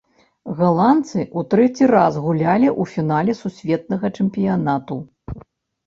Галандцы ў трэці раз гулялі ў фінале сусветнага чэмпіянату.